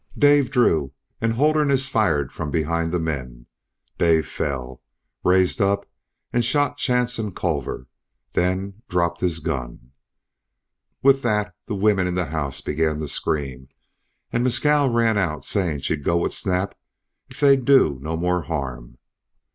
"Dave drew and Holderness fired from behind the men. Dave fell, raised up and shot Chance and Culver, then dropped his gun. "With that the women in the house began to scream, and Mescal ran out saying she'd go with Snap if they'd do no more harm.